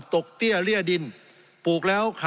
สงบจนจะตายหมดแล้วครับ